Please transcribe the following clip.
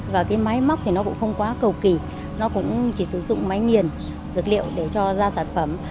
và cái máy móc thì nó cũng không quá cầu kỳ nó cũng chỉ sử dụng máy nghiền dược liệu để cho ra sản phẩm